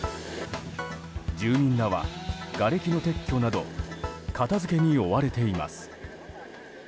住民らは、がれきの撤去など片づけに追われています。